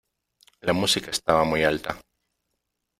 La música estaba muy alta.